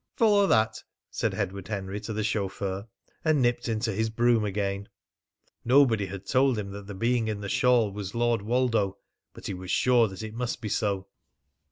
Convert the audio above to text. "Follow that!" said Edward Henry to the chauffeur, and nipped into his brougham again. Nobody had told him that the being in the shawl was Lord Woldo, but he was sure that it must be so.